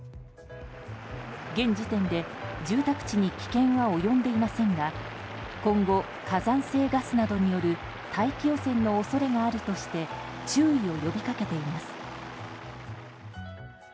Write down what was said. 現時点で住宅地に危険は及んでいませんが今後、火山性ガスなどによる大気汚染の恐れがあるとして注意を呼びかけています。